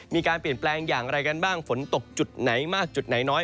มีการเปลี่ยนแปลงอย่างไรกันบ้างฝนตกจุดไหนมากจุดไหนน้อย